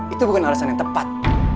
itu bukan alasan yang tepat